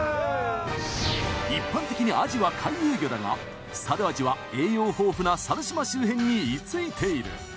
・一般的にアジは回遊魚だが猿アジは栄養豊富な猿島周辺に居着いている。